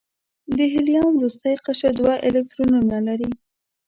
د هیلیم وروستی قشر دوه الکترونونه لري.